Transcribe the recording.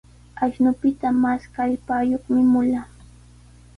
Ashnupita mas kallpayuqmi mulaqa.